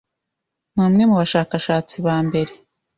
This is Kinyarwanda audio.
Ni umwe mu bashakashatsi ba mbere